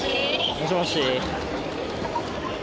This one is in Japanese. もしもし。